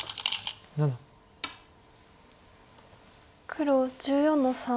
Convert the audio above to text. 黒１４の三。